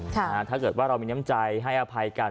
ถ้าเกิดว่าเรามีน้ำใจให้อภัยกัน